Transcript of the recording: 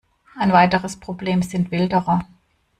Ein weiteres Problem sind Wilderer.